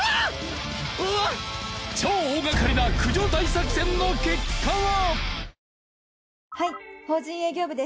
超大掛かりな駆除大作戦の結果は！？